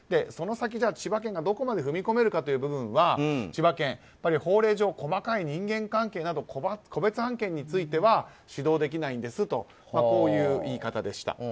その先、千葉県がどこまで踏み込めるかという部分は千葉県は法令上、細かい人間関係など個別案件については指導できないんですとこういう言い方でした。